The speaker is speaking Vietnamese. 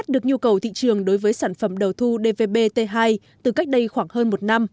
được nhu cầu thị trường đối với sản phẩm đầu thu dvbt hai từ cách đây khoảng hơn một năm